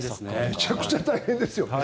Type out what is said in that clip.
めちゃくちゃ大変ですよね。